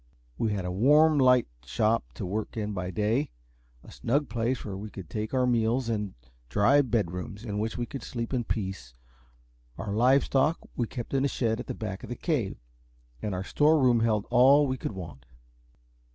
We had a warm light shop to work in by day, a snug place where we could take our meals and dry bed rooms in which we could sleep in peace. Our live stock we kept in a shed at the back of the cave, and our store room held all that we could want.